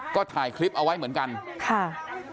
ก็ถ่ายคลิปเอาไว้เหมือนกันค่ะ